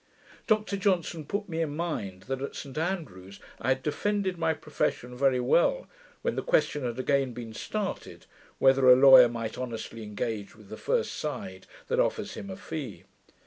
Dr Johnson put me in mind, that, at St Andrews, I had defended my profession very well, when the question had again been started, whether a lawyer might honestly engage with the first side that offers him a fee.